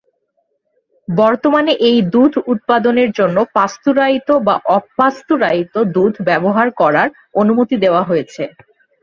বর্তমানে এই দুধ উৎপাদনের জন্য পাস্তুরায়িত বা অপাস্তুরায়িত দুধ ব্যবহার করার অনুমতি দেওয়া হয়েছে।